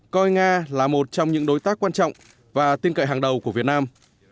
coi nga là một trong những đối tác quan trọng và tin cậy hàng đầu của việt nam